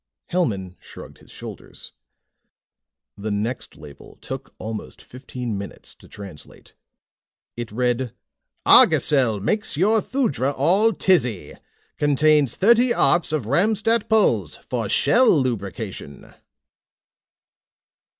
Hellman shrugged his shoulders. The next label took almost fifteen minutes to translate. It read: ARGOSEL MAKES YOUR THUDRA ALL TIZZY. CONTAINS THIRTY ARPS OF RAMSTAT PULZ, FOR SHELL LUBRICATION.